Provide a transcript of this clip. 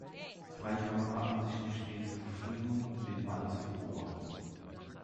Drei Kamera-Ansichten stehen zur Verfügung, um den Ball zu beobachten.